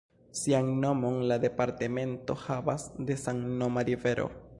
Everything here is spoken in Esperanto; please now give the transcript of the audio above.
Sian nomon la departemento havas de samnoma rivero.